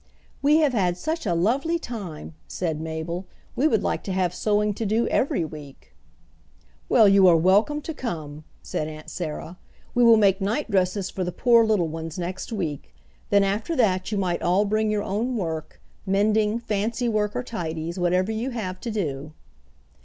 "We have had such a lovely time," said Mabel, "we would like to have sewing to do every week." "Well, you are welcome to come," said Aunt Sarah. "We will make night dresses for the poor little ones next week, then after that you might all bring your own work, mending, fancywork or tidies, whatever you have to do."